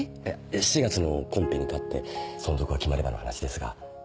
４月のコンペに勝って存続が決まればの話ですが。